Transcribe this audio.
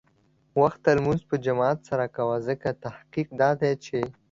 وخته لمونځ په جماعت سره کوه، ځکه تحقیق دا دی چې